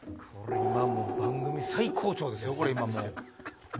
今番組最高潮ですよ。